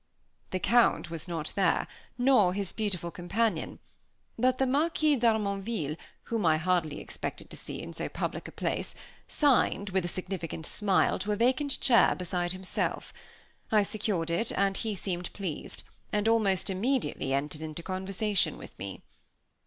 The Count was not there, nor his beautiful companion; but the Marquis d'Harmonville, whom I hardly expected to see in so public a place, signed, with a significant smile, to a vacant chair beside himself. I secured it, and he seemed pleased, and almost immediately entered into conversation with me.